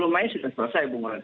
sepuluh mei sudah selesai